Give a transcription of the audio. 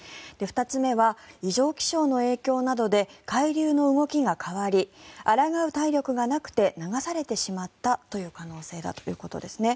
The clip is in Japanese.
２つ目は異常気象の影響などで海流の動きが変わり抗う体力がなくて流されてしまった可能性だということですね。